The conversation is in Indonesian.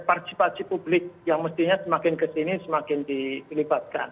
parti parti publik yang mestinya semakin kesini semakin dilibatkan